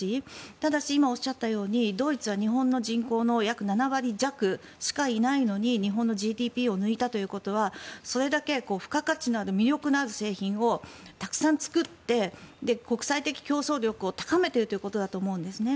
ただし、今おっしゃったようにドイツは、日本の人口の約７割弱しかいないのに日本のＧＤＰを抜いたということはそれだけ付加価値のある魅力のある製品をたくさん作って国際的競争力を高めているということだと思うんですね。